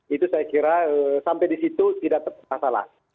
itu saya kira sampai di situ tidak masalah